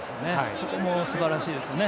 そこも素晴らしいですよね。